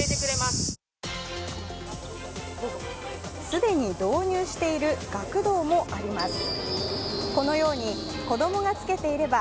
既に導入している学童もあります。